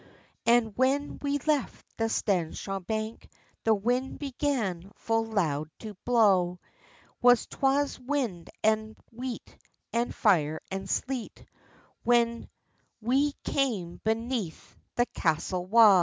And when we left the Staneshaw bank, The wind began full loud to blaw; But 'twas wind and weet, and fire and sleet, When we came beneath the castell wa.